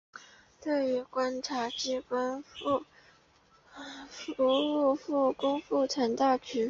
对于检察机关服务复工复产大局